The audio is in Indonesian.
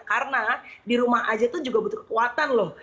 karena di rumah aja tuh juga butuh kekuatan loh